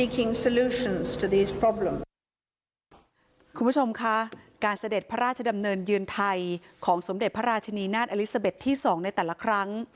คุณผู้ชมคะการเสด็จพระราชดำเนินเยือนไทยของสมเด็จพระราชนีนาฏอลิซาเบ็ดที่๒ในแต่ละครั้ง